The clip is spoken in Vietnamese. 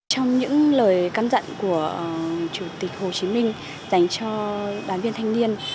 trong những lời căm dặn của chủ tịch hồ chí minh dành cho đàn viên thanh niên